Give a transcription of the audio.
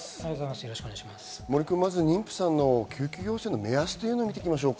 まず妊婦さんの救急要請の目安をみていきましょう。